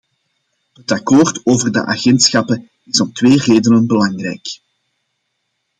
Het akkoord over de agentschappen is om twee redenen belangrijk.